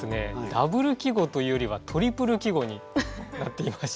ダブル季語というよりはトリプル季語になっていまして。